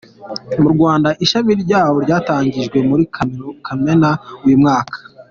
Mu Rwanda, ishami ryawo, ryatangijwe muri Kamena uyu mwaka.